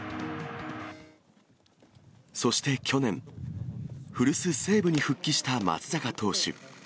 そして去年、古巣、西武に復帰した松坂投手。